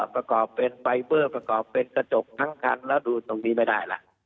ประกอบเป็นไฟเบอร์ประกอบเป็นกระจกทั้งคันแล้วดูตรงนี้ไม่ได้ล่ะ